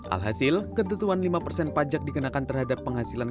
alhasil ketentuan lima persen pajak dikenakan terhadap penghasilan